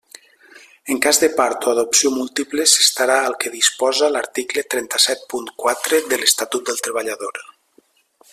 En cas de part o adopció múltiple s'estarà al que disposa l'article trenta-set punt quatre de l'Estatut del Treballador.